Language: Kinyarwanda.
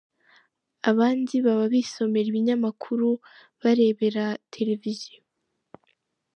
Abandi baba bisomera ibinyamakuru, barebera televiziyo.